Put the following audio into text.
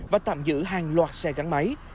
và tạm giữ hàng loạt xe gắn máy